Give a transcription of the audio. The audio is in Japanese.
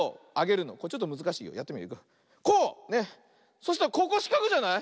そしたらここしかくじゃない？